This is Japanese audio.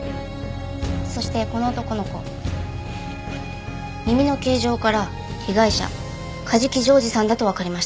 そしてこの男の子耳の形状から被害者梶木譲士さんだとわかりました。